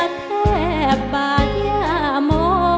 แทบบาทยาโม